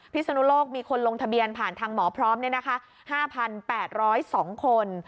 ศนุโลกมีคนลงทะเบียนผ่านทางหมอพร้อม๕๘๐๒คน